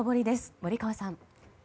森川さん。